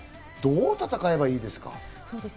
どう戦えばいいですか？